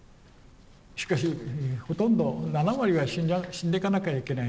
しかしほとんど７割は死んでかなきゃいけない。